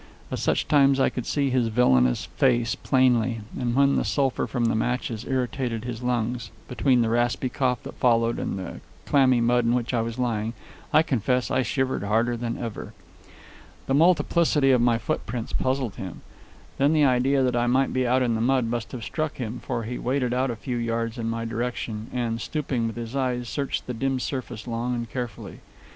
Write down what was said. At such times I could see his villainous face plainly, and, when the sulphur from the matches irritated his lungs, between the raspy cough that followed and the clammy mud in which I was lying, I confess I shivered harder than ever. The multiplicity of my footprints puzzled him. Then the idea that I might be out in the mud must have struck him, for he waded out a few yards in my direction, and, stooping, with his eyes searched the dim surface long and carefully.